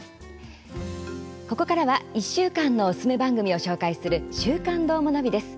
ここからは１週間のおすすめ番組を紹介する「週刊どーもナビ」です。